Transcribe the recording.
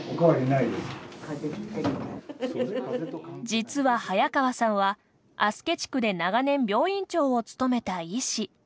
実は早川さんは足助地区で長年病院長を務めた医師。